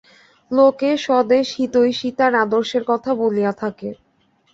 লোকে স্বদেশহিতৈষিতার আদর্শের কথা বলিয়া থাকে।